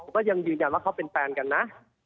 ก็ยังยืนยันว่าเขาเป็นแฟนกันนะ